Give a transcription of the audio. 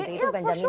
itu bukan jaminan